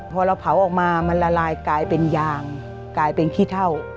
พอเราเผาออกมามันละลายกลายเป็นยางกลายเป็นขี้เท่า